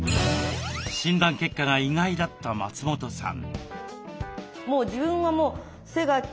診断結果が意外だった松本さん。